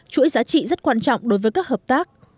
chuỗi giá trị rất quan trọng đối với các hợp tác